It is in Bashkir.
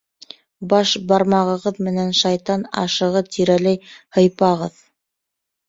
Баш бармағығыҙ менән шайтан ашығы тирәләй һыйпағыҙ.